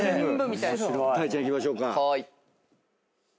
たいちゃんいきましょうか。